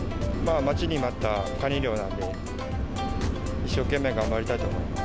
待ちに待ったカニ漁なんで、一生懸命頑張りたいと思います。